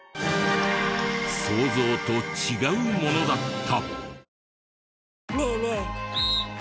想像と違うものだった！